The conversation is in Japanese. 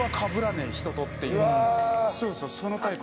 そうそうそのタイプ。